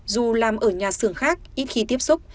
dù làm ở nhà xưởng khác ít khi tiếp xúc